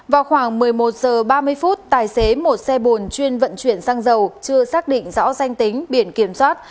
vào khoảng một mươi một h ba mươi phút tài xế một xe bồn chuyên vận chuyển xăng dầu chưa xác định rõ danh tính biển kiểm soát